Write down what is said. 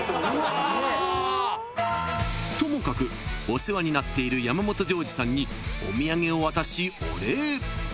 ［ともかくお世話になっている山本譲二さんにお土産を渡しお礼］